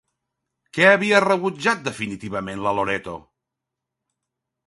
Què havia rebutjat definitivament la Loreto?